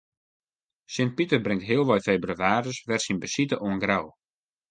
Sint Piter bringt healwei febrewaarje wer syn besite oan Grou.